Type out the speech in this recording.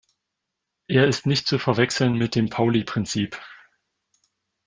Er ist nicht zu verwechseln mit dem Pauli-Prinzip.